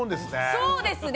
そうですね。